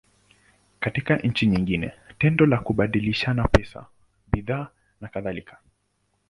Katika nchi nyingi, tendo la kubadilishana pesa, bidhaa, nakadhalika.